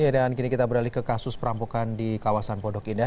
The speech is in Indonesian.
dan kini kita beralih ke kasus perampokan di kawasan pondok indah